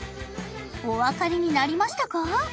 お分かりになりましたか？